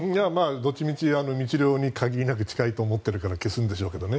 どっちみち密漁に限りなく近いと思っているから消すんでしょうけどね。